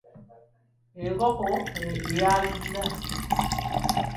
Enkoko eba ya luzira.